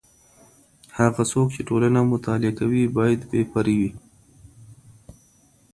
هغه څوک چي ټولنه مطالعه کوي بايد بې پرې وي.